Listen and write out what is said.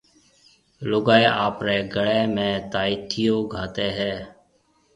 لوگائيَ آپريَ گݪيَ ۾ تائٿيو گھاتيَ ھيََََ